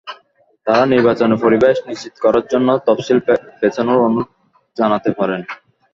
তাঁরা নির্বাচনের পরিবেশ নিশ্চিত করার জন্য তফসিল পেছানোর অনুরোধ জানাতে পারেন।